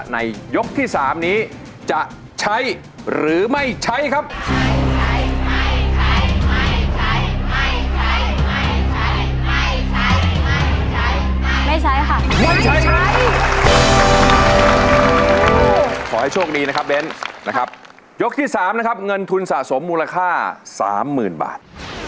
เงินทุนสะสมมูลค่าสามหมื่นบาท